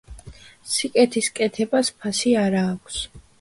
სიკეთის კეთებას ფასი არ ააქვს